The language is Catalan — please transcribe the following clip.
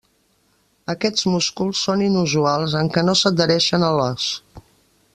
Aquests músculs són inusuals en què no s'adhereixen a l'os.